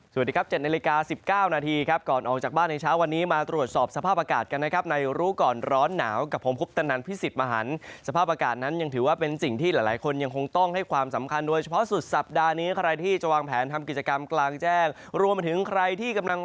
สวัสดีครับ๗นาฬิกา๑๙นาทีครับก่อนออกจากบ้านในเช้าวันนี้มาตรวจสอบสภาพอากาศกันนะครับในรู้ก่อนร้อนหนาวกับผมคุปตนันพิสิทธิ์มหันสภาพอากาศนั้นยังถือว่าเป็นสิ่งที่หลายคนยังคงต้องให้ความสำคัญโดยเฉพาะสุดสัปดาห์นี้ใครที่จะวางแผนทำกิจกรรมกลางแจ้งรวมถึงใครที่กำลัง